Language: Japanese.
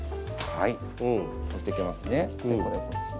はい。